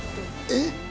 えっ！？